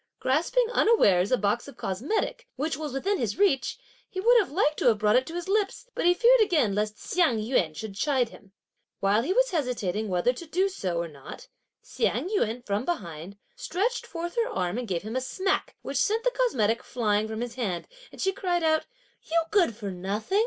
Grasping unawares a box of cosmetic, which was within his reach, he would have liked to have brought it to his lips, but he feared again lest Hsiang yün should chide him. While he was hesitating whether to do so or not, Hsiang yün, from behind, stretched forth her arm and gave him a smack, which sent the cosmetic flying from his hand, as she cried out: "You good for nothing!